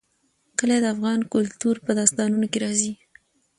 کلي د افغان کلتور په داستانونو کې راځي.